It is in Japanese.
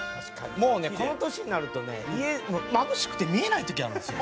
もうねこの年になるとねまぶしくて見えない時あるんですよ。